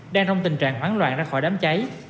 đang trong tình trạng hoảng loạn ra khỏi đám cháy